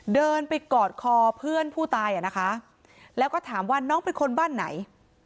เดินไปกอดคอเพื่อนผู้ตายอ่ะนะคะแล้วก็ถามว่าน้องเป็นคนบ้านไหน